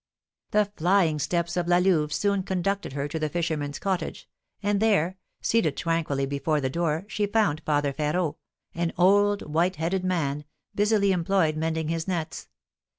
The flying steps of La Louve soon conducted her to the fisherman's cottage, and there, seated tranquilly before the door, she found Father Férot, an old, white headed man, busily employed mending his nets.